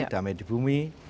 damai di bumi